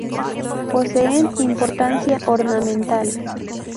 Poseen importancia ornamental.